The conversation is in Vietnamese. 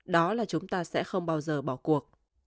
đó là chúng ta sẽ không bao giờ bỏ cuộc